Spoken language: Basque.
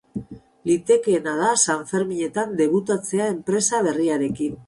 Litekeena da sanferminetan debutatzea enpresa berriarekin.